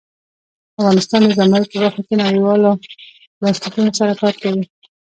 افغانستان د زمرد په برخه کې نړیوالو بنسټونو سره کار کوي.